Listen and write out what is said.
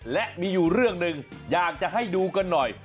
และมีอยู่เรื่องหนึ่งอยากจะให้ดูกันหน่อย